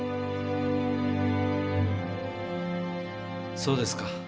そうですか。